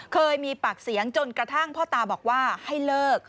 เคยมีปากเสียงจนกระทั่งพ่อตาบอกว่าให้เลิก